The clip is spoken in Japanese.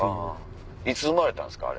いつ生まれたんですか？